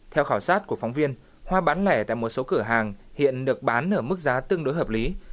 theo khảo sát của phóng viên hoa bán lẻ tại một số cửa hàng hiện được bán ở mức giá tương đối hợp lý